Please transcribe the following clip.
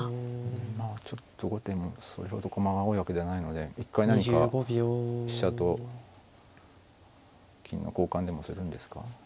まあちょっと後手もそれほど駒が多いわけではないので一回何か飛車と金の交換でもするんですか。